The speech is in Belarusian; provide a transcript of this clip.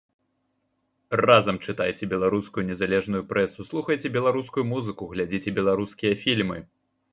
Разам чытайце беларускую незалежную прэсу, слухайце беларускую музыку, глядзіце беларускія фільмы.